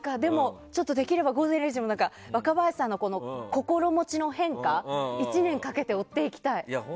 できれば「午前０時の森」も若林さんの心持ちの変化を１年かけて追っていきたい。